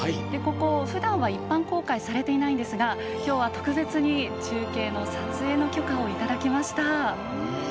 ここ、ふだんは一般公開されていないのですがきょうは特別に中継の撮影の許可をいただきました。